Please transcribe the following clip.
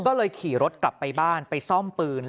ก็เลยขี่รถกลับไปบ้านไปซ่อมปืน